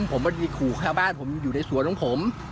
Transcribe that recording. ผมไม่ได้ขู่ข้าวบ้านผมอยู่ในสวนของผม